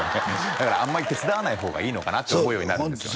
だからあんまり手伝わない方がいいのかなと思うようになるんですよね